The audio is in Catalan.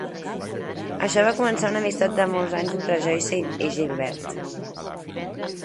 Això va començar una amistat de molts anys entre Joyce i Gilbert.